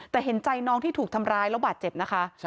แต่เห็นใจน้องที่ถูกทำร้ายแล้วบาดเจ็บนะคะ